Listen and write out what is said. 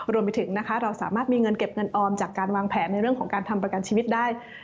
รวมไปถึงนะคะเราสามารถมีเงินเก็บเงินออมจากการวางแผนในเรื่องของการทำประกันชีวิตได้